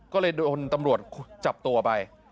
ก็เลยโดนตำรวจจับตัวไป